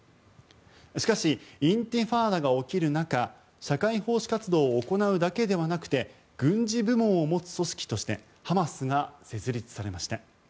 しかしインティファーダが起きる中社会奉仕活動を行うだけではなくて軍事部門を持つ組織としてハマスが設立されました。